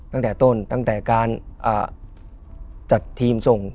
ตั้งแต่ต้นตั้งแต่การจัดทีมส่ง